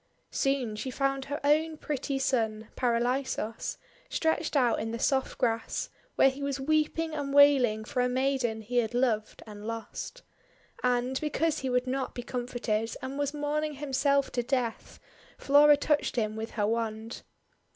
Soon she found her own pretty son, Paralisos, stretched out in the soft grass, where he was weeping and wailing for a maiden he had loved and lost. And, because he would not be com forted, and was mourning himself to death, Flora touched him with her wand.